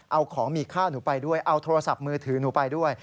เอาของมีค่าหนูไปด้วยเอาโทรศัพท์มือถือหนูไปด้วย